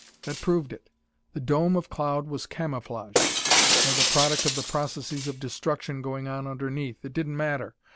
That proved it. The dome of cloud was camouflage, or the product of the processes of destruction going on underneath: it didn't matter.